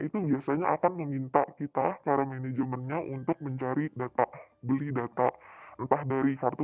itu biasanya akan meminta kita para manajemennya untuk mencari data beli data entah dari kartu